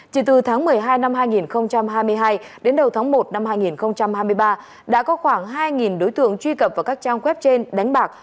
chỉ từ tháng một mươi hai năm hai nghìn hai mươi hai đến đầu tháng một năm hai nghìn hai mươi ba đã có khoảng hai đối tượng truy cập vào các trang web trên đánh bạc